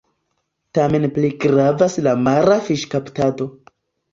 Tamen pli gravas la mara fiŝkaptado.